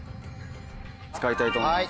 使いたいと思います。